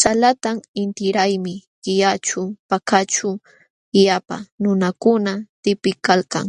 Salatam intiraymi killaćhu Pakaćhu llapa nunakuna tipiykalkan.